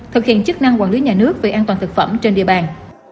thực hiện chức năng quản lý nhà nước về an toàn thực phẩm trên địa bàn